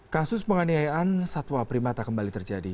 kasus penganiayaan satwa primata kembali terjadi